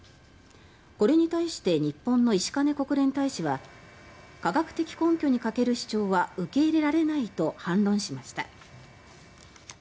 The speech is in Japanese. これに対して日本の石兼国連大使は科学的根拠に欠ける主張は受け入れられないと反論しました。